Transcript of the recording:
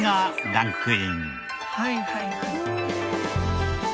はいはいはい。